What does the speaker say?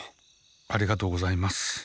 ありがとうございます。